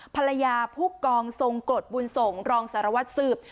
ภรรยาผู้กองทรงกฎบุญส่งรองสรวจสืบ